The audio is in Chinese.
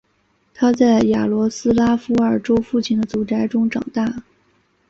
他在雅罗斯拉夫尔州父亲的祖宅中长大。